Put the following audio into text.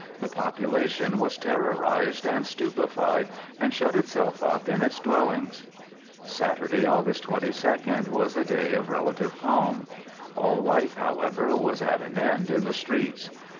The population was terrorised and stupefied, and shut itself up in its dwellings. Saturday, August 22nd, was a day of relative calm. All life, however, was at an end in the streets.